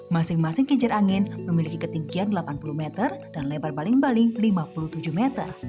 masing masing kincir angin memiliki ketinggian delapan puluh meter dan lebar baling baling lima puluh tujuh meter